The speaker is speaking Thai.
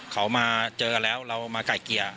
เขามาเจอกันแล้วเรามาไก่เกียร์